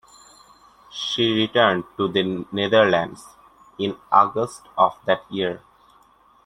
She returned to the Netherlands in August of that year.